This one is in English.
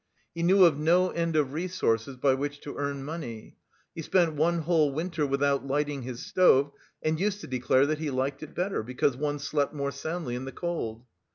He knew of no end of resources by which to earn money. He spent one whole winter without lighting his stove, and used to declare that he liked it better, because one slept more soundly in the cold.